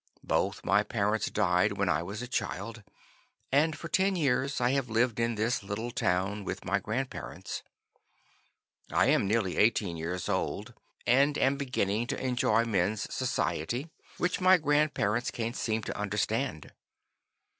Both my parents died when I was a child, and for ten years I have lived in this little town with my grandparents. I am nearly eighteen years old, and am beginning to enjoy men's society, which my grandparents can't seem to understand.